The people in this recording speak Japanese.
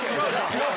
違う！